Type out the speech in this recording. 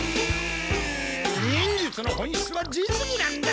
忍術の本質は実技なんだ！